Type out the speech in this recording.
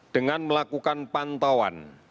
dengan melakukan pantauan